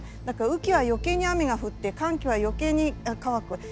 だから雨季は余計に雨が降って乾季は余計に乾く。